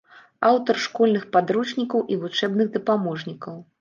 Аўтар школьных падручнікаў і вучэбных дапаможнікаў.